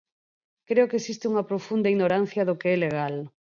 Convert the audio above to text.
Creo que existe unha profunda ignorancia do que é legal.